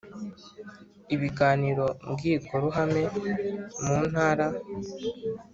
Ibiganiro mbwirwaruhame mu Ntara